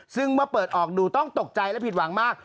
ซึ่งเมื่อเปิดออกดูต้องตกใจและผิดหวังมาก